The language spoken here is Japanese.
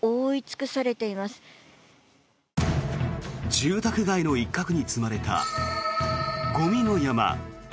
住宅街の一角に積まれたゴミの山。